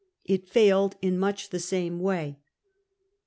It failed in much the same way.